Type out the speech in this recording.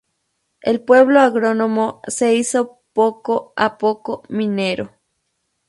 El pueblo agrónomo se hizo poco a poco minero.